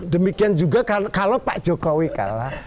demikian juga kalau pak jokowi kalah